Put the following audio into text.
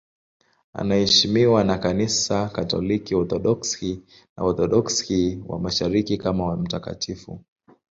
Anaheshimiwa na Kanisa Katoliki, Waorthodoksi na Waorthodoksi wa Mashariki kama mtakatifu.